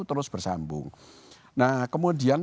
terus bersambung nah kemudian